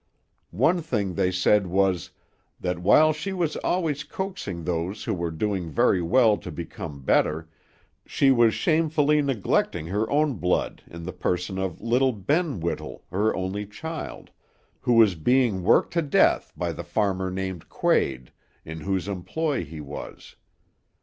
One thing they said was, that while she was always coaxing those who were doing very well to become better, she was shamefully neglecting her own blood in the person of little Ben Whittle, her only child, who was being worked to death by the farmer named Quade, in whose employ he was.